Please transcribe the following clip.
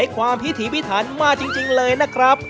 ความพิถีพิถันมาจริงเลยนะครับ